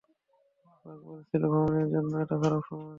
বাক বলেছিল ভ্রমণের জন্য এটা খারাপ সময়।